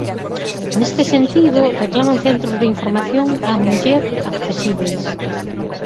Neste sentido, reclaman Centros de Información á Muller accesíbeis.